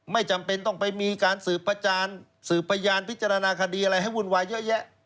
ไม่จำเป็นต้องไปมีการสืบประจานสืบพยานพิจารณาคดีอะไรให้วุ่นวายเยอะแยะ